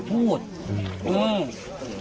แล้วก็เดินหลบหนีไปทางหลังบ้านยาย